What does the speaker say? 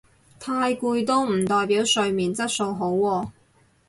太攰都唔代表睡眠質素好喎